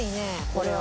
これは。